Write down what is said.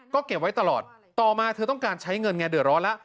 ก็เก็บไว้ตลอดต่อมาเธอต้องการใช้เงินไงเดือดร้อนแล้ว